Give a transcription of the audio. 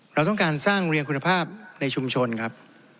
เราต้องการสร้างโรงเรียนคุณภาพในชุมชนครับ